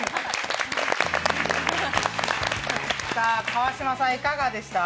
川島さん、いかがでした？